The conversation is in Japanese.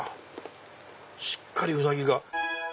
しっかりうなぎが。